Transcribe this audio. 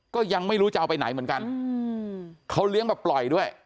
ก็ยังไม่รู้จะเอาไปไหนเหมือนกันเขาเลี้ยงแบบปล่อยด้วย